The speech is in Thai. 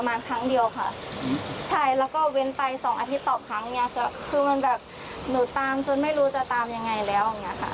มันแบบหนูตามจนไม่รู้จะตามยังไงแล้ว